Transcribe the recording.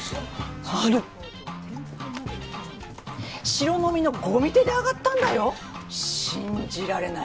白のみのゴミ手で上がったんだよ信じられない。